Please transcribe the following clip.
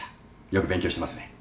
よく勉強してますね。